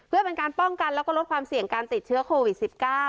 เพื่อเป็นการป้องกันแล้วก็ลดความเสี่ยงการติดเชื้อโควิด๑๙